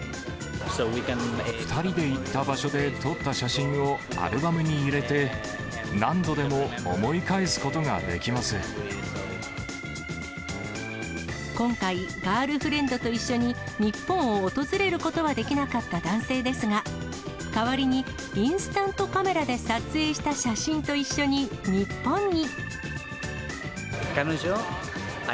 ２人で行った場所で撮った写真を、アルバムに入れて、今回、ガールフレンドと一緒に日本を訪れることはできなかった男性ですが、代わりに、インスタントカメラで撮影した写真と一緒に日本に。